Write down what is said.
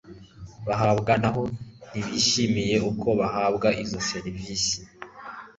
bahabwa naho ntibishimiye uko bahabwa izo serivisi